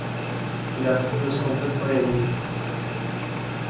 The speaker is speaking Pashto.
جانکو د سخوندر پړی ونيو.